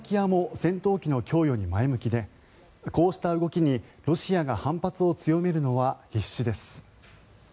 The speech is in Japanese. スロバキアも戦闘機の供与に前向きでこうした動きにロシアが反発を強めるのは必至です。